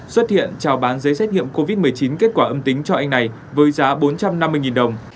xuất hiện trào bán giấy xét nghiệm covid một mươi chín kết quả âm tính cho anh này với giá bốn trăm năm mươi đồng